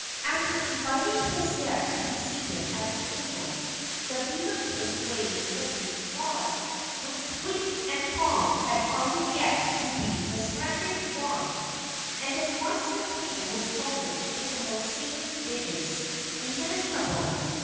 After inviting his guests to be seated at the table, the beaver King waved the beech rod which Twink and Tom had already guessed to be his magic wand and at once the table was loaded with the most savory dishes imaginable.